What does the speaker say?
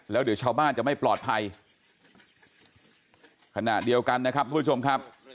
แล้วเดี๋ยวชาวบ้านจะไม่ปลอดภัยขณะเดียวกันนะครับทุกผู้ชมครับ